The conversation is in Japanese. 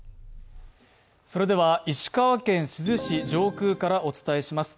それでは、石川県珠洲市上空からお伝えします。